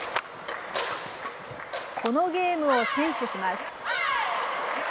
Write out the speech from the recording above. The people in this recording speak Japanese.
このゲームを先取します。